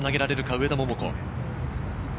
上田桃子。